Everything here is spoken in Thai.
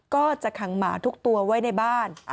ก็จะขังหมาทุกตัวไว้ในบ้าน